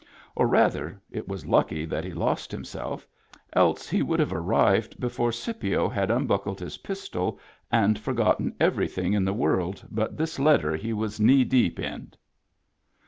Or rather, it was lucky that he lost himself, else he would have arrived before Scipio had unbuckled his pistol and forgotten everj'thing in the world but this letter he was knee deep in.